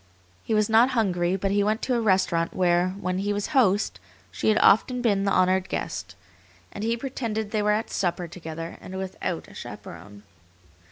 He was not hungry, but he went to a restaurant where, when he was host, she had often been the honored guest, and he pretended they were at supper together and without a chaperon.